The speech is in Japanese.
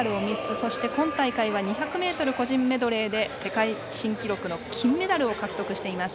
そして今大会は２００ｍ個人メドレーで世界新記録の金メダルを獲得しています。